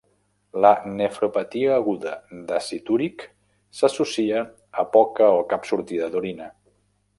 La nefropatia aguda d'àcid úric s'associa a poca o cap sortida d'orina.